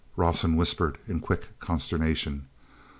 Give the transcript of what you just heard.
Rawson whispered in quick consternation.